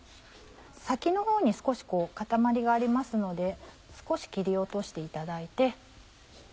先のほうに少し塊がありますので少し切り落としていただいて。